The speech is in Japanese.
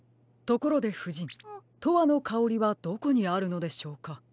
ところでふじん「とわのかおり」はどこにあるのでしょうか。